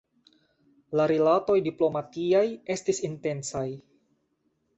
La rilatoj diplomatiaj estis intensaj.